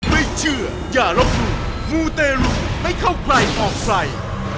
ไม่เชื่ออย่ารบหลุมมูเตรุไม่เข้าใกล้ออกใกล้